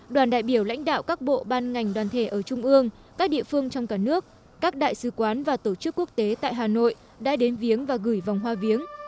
đoàn đại biểu lãnh đạo các bộ ban ngành đoàn thể ở trung ương các địa phương trong cả nước các đại sứ quán và tổ chức quốc tế tại hà nội đã đến viếng và gửi vòng hoa viếng